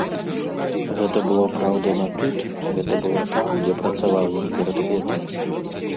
Гэта было, праўда, не тут, гэта было там, дзе працаваў ён перад гэтым.